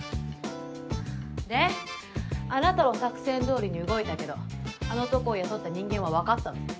であなたの作戦通りに動いたけどあの男を雇った人間はわかったの？